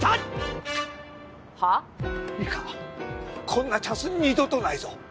こんなチャンス二度とないぞ。